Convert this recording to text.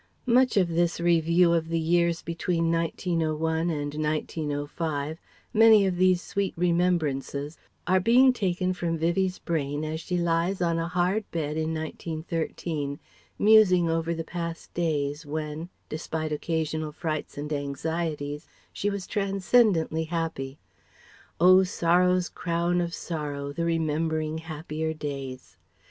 [Much of this review of the years between 1901 and 1905, many of these sweet remembrances are being taken from Vivie's brain as she lies on a hard bed in 1913, musing over the past days when, despite occasional frights and anxieties, she was transcendently happy. Oh "Sorrow's Crown of Sorrow, the remembering happier days!"